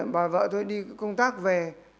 bà vợ tôi đi công tác về